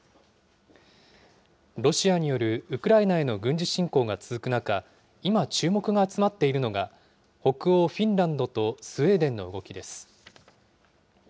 ロシアによるウクライナへの軍事侵攻が続く中、今、注目が集まっているのが北欧フィンランドとスウェーデンの動きです。